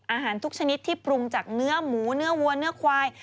อาหารทุกชนิดที่ปรุงจากเนื้อหมูเนื้อวัวเนื้อควาย